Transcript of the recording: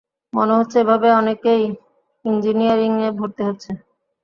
মনে হচ্ছে এভাবে অনেকেই ইঞ্জিনিয়ারিংয়ে ভর্তি হচ্ছে।